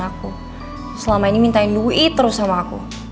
aku selama ini mintain duit terus sama aku